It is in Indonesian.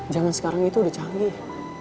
jangan sekarang itu udah canggih